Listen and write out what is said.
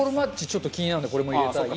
ちょっと気になるんでこれも入れたい。